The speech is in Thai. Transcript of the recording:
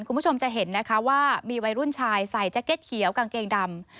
คุณผู้ชมจะเห็นนะคะว่ามีวัยรุ่นชายใส่แจ็คเก็ตเขียวกางเกงดำ